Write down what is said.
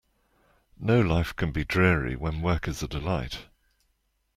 No life can be dreary when work is a delight.